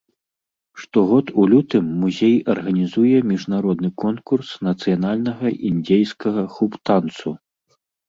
Штогод у лютым музей арганізуе міжнародны конкурс нацыянальнага індзейскага хуп-танцу.